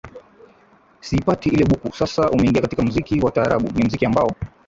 siipati ile buku Sasa umeingia katika muziki wa taarabu Ni muziki ambao